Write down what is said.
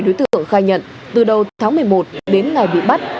đối tượng khai nhận từ đầu tháng một mươi một đến ngày bị bắt